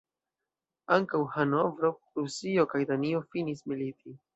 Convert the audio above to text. Ankaŭ Hanovro, Prusio kaj Danio finis militi.